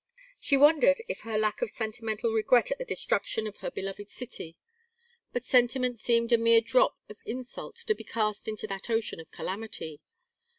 She wondered at her lack of sentimental regret at the destruction of her beloved city. But sentiment seemed a mere drop of insult to be cast into that ocean of calamity.